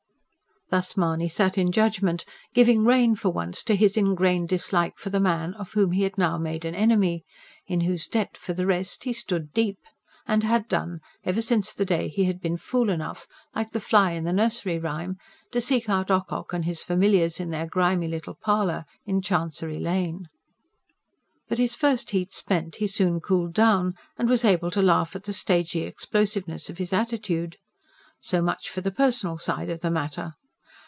Thus Mahony sat in judgment, giving rein for once to his ingrained dislike for the man of whom he had now made an enemy. In whose debt, for the rest, he stood deep. And had done, ever since the day he had been fool enough, like the fly in the nursery rhyme, to seek out Ocock and his familiars in their grimy little "parlour" in Chancery Lane. But his first heat spent he soon cooled down, and was able to laugh at the stagy explosiveness of his attitude. So much for the personal side of the matter.